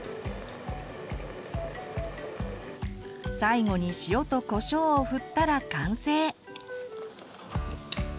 最後に塩とこしょうをふったら完成。